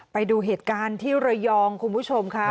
ไปดูเหตุการณ์ที่ระยองคุณผู้ชมค่ะ